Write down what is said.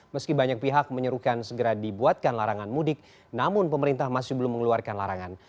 meski banyak pihak menyerukan segera dibuatkan larangan mudik namun pemerintah masih belum mengeluarkan larangan